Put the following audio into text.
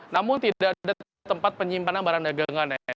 namun tidak ada tempat penyimpanan barang dagangannya